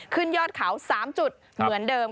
ยอดเขา๓จุดเหมือนเดิม